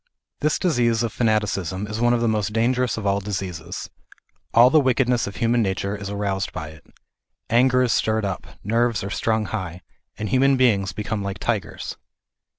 This disease of fanaticism is one of the most dangerous of all diseases. All the wickedness of human nature is aroused by it. Anger is stirred up, nerves are strung high, and human beings become like tigers.